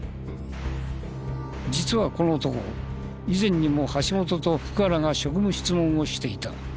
実はこの男以前にも橋本と福原が職務質問をしていた。